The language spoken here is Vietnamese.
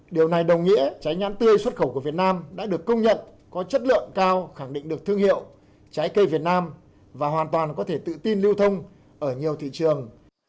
điều này đồng nghĩa trái nhãn tươi xuất khẩu của việt nam đã được công nhận có chất lượng cao khẳng định được thương hiệu trái cây việt nam và hoàn toàn có thể tự tin lưu thông ở nhiều thị trường